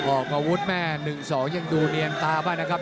ออกอาวุธแม่๑๒ยังดูเนียนตาบ้างนะครับ